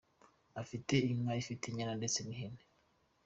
Afite inka ifite inyana ndetse n’ihene.